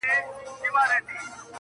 یار ګیله من له دې بازاره وځم.